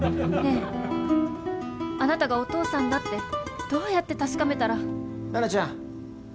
ねえあなたがお父さんだってどうやって確かめたらナナちゃん